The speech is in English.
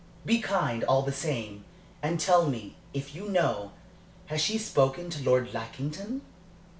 Be kind, all the same, and tell me if you know has she spoken to Lord Lackington?"